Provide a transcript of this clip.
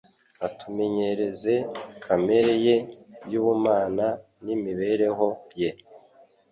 atumenyereze kamere ye y'ubumana n'imibereho ye.